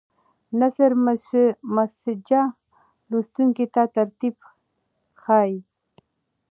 نثر مسجع لوستونکي ته ترتیب ښیي.